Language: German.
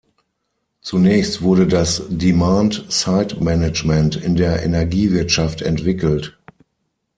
Zunächst wurde das "Demand-Side-Management" in der Energiewirtschaft entwickelt.